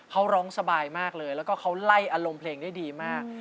เขาร้องสบายมากเลยแล้วก็เขาไล่อารมณ์เพลงได้ดีมาก